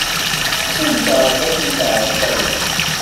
Tenkeṛ dakken teɛreḍ aya.